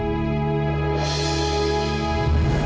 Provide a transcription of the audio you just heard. fadil kamu ajak mila pulang